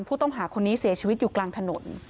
ผู้ต้องหาคนนี้เสียชีวิตอยู่กลางถนน